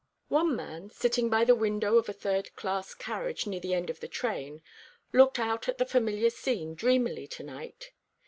One man, sitting by the window of a third class carriage near the end of the train, looked out at the familiar scene dreamily to night.